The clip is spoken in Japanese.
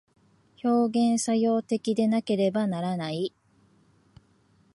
表現作用的でなければならない。